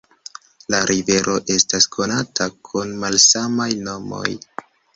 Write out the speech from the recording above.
La rivero estas konata kun malsamaj nomoj.